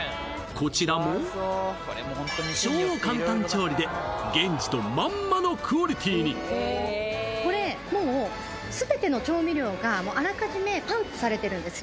こちらも超簡単調理で現地とまんまのクオリティーにこれもう全ての調味料があらかじめパウチされてるんですよ